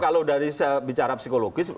kalau dari bicara psikologis